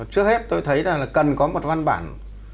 trước hết tôi thấy là cần có một văn bản